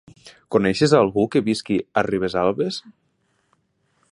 Coneixes algú que visqui a Ribesalbes?